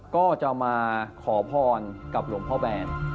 ก็จะมาขอพรกับหลวงพ่อแบน